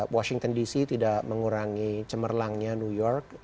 washington dc tidak mengurangi cemerlangnya new york